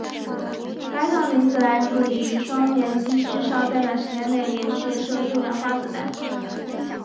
该枪的名字来自于双连击之上在短时间内连续射出两发子弹。